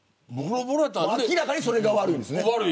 明らかにそれが悪いですね。